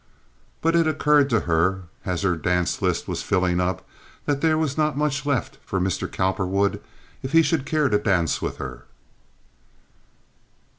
But it occurred to her, as her dance list was filling up, that there was not much left for Mr. Cowperwood, if he should care to dance with her.